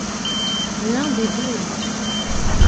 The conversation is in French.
L'un des deux est mort.